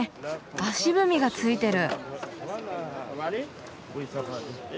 足踏みがついてる。